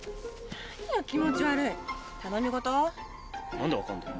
何で分かんだよ？